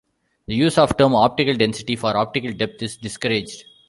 The use of the term "optical density" for optical depth is discouraged.